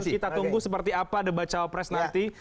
kita tunggu seperti apa ada baca opres nanti